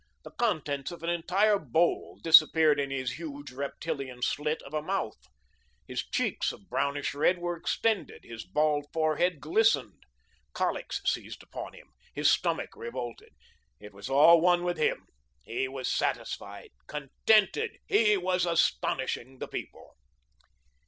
The contents of an entire bowl disappeared in his huge, reptilian slit of a mouth. His cheeks of brownish red were extended, his bald forehead glistened. Colics seized upon him. His stomach revolted. It was all one with him. He was satisfied, contented. He was astonishing the people.